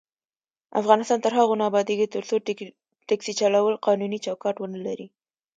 افغانستان تر هغو نه ابادیږي، ترڅو ټکسي چلول قانوني چوکاټ ونه لري.